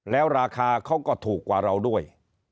แล้วราคาเขาก็ถูกกว่าเราด้วย